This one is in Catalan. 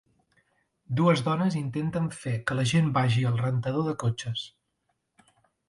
Dues dones intenten fer que la gent vagi al rentador de cotxes.